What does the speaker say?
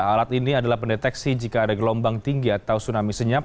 alat ini adalah pendeteksi jika ada gelombang tinggi atau tsunami senyap